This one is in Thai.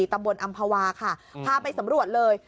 ตำบลอำภาวาค่ะพาไปสำรวจเลย